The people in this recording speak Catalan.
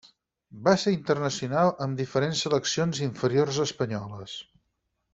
Va ser internacional amb diferents seleccions inferiors espanyoles.